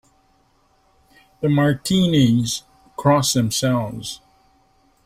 The Martinis cross themselves.